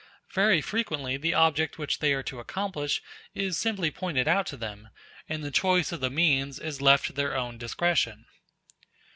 Very frequently the object which they are to accomplish is simply pointed out to them, and the choice of the means is left to their own discretion.